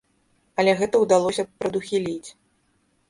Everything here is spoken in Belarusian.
Але гэта ўдалося прадухіліць.